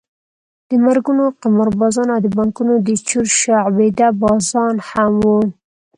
د مرګونو قماربازان او د بانکونو د چور شعبده بازان هم وو.